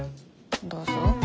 どうぞ。